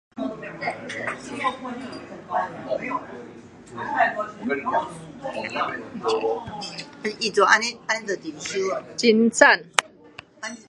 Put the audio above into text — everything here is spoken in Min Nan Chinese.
真讚